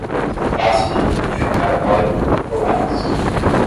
Fácil de identificar Orion e Polaris